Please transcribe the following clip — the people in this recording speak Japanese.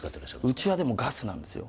うちはでもガスなんですよ。